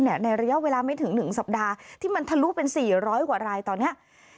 ในระยะเวลาไม่ถึง๑สัปดาห์ที่มันทะลุเป็น๔๐๐กว่ารายตอนนี้